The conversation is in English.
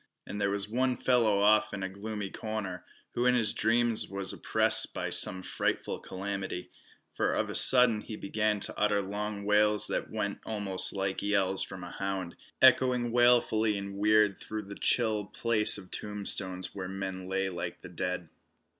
And there was one fellow off in a gloomy corner, who in his dreams was oppressed by some frightful calamity, for of a sudden he began to utter long wails that went almost like yells from a hound, echoing wailfully and weird through this chill place of tombstones where men lay like the dead.